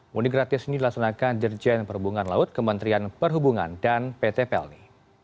mudik gratis ini dilaksanakan dirjen perhubungan laut kementerian perhubungan dan pt pelni